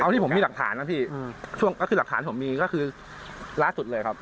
เท่าที่ผมมีหลักฐานนะพี่เพราะมีหลักฐานผมมีคือล่าสุดเลยครับ